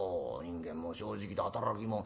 人間も正直で働き者。